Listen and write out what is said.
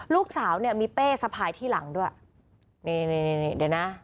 ลูกสาวเนี่ยมีเป้สะพายที่หลังด้วยนี่นี่เดี๋ยวนะ